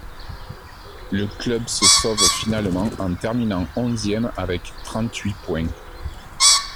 Le club se sauve finalement en terminant onzième avec trente-huit points.